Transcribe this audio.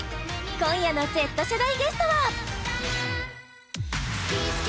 今夜のＺ世代ゲストはすき！